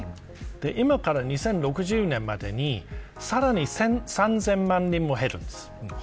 今から２０６０年までにさらに３０００万人も減るんです。